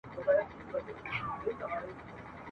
چي ښځه په جسماني